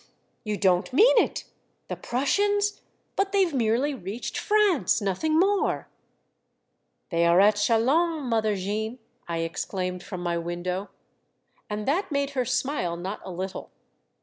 you don't mean it? The Prussians? but they Ve merely reached France !— nothing more !" 88 Monday Tales, " They are at Chalons, Mother Jean !" I ex claimed from my window. And that made her smile not a little.